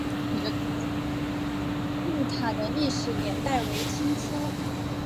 澹归墓塔的历史年代为清初。